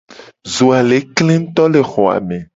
Zo a le kle nguto le xo a me.